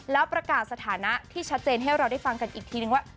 แล้วประกาศสถานะที่ชัดเจนให้เราได้ฟังกันอีกทีนึงว่า